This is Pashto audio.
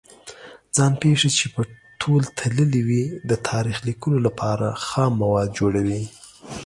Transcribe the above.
ځان پېښې چې په تول تللې وي د تاریخ لیکلو لپاره خام مواد جوړوي.